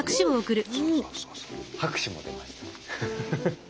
拍手も出ました。